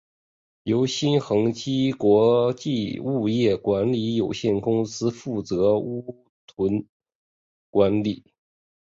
由新恒基国际物业管理有限公司负责屋邨管理。